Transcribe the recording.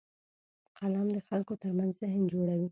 قلم د خلکو ترمنځ ذهن جوړوي